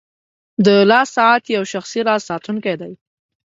• د لاس ساعت یو شخصي راز ساتونکی دی.